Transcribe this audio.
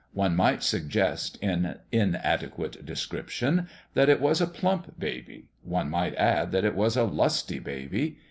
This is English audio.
One might suggest, in inadequate description, that it was a plump baby ; one might add that it was a lusty baby.